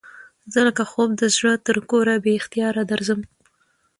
زه لکه خوب د زړه تر کوره بې اختیاره درځم